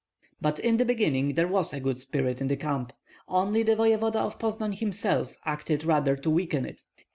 But in the beginning there was a good spirit in the camp; only the voevoda of Poznan himself acted rather to weaken it.